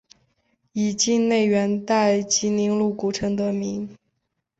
以境内元代集宁路古城得名。